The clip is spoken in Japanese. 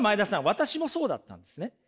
私もそうだったんですね。